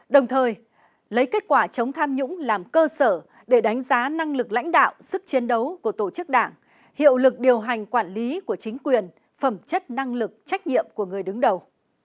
đồng thời lấy kết quả chống tham nhũng làm cơ sở để đánh giá năng lực lãnh đạo sức chiến đấu của tổ chức đảng hiệu lực điều hành quản lý của chính quyền phẩm chất năng lực trách nhiệm của người đứng đầu